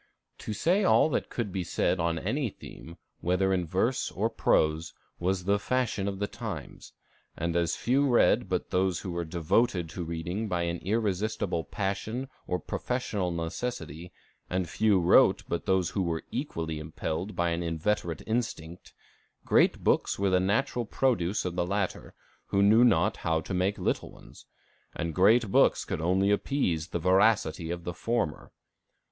"To say all that could be said on any theme, whether in verse or prose, was the fashion of the times; and as few read but those who were devoted to reading by an irresistible passion or professional necessity, and few wrote but those who were equally impelled by an inveterate instinct, great books were the natural produce of the latter, who knew not how to make little ones; and great books only could appease the voracity of the former.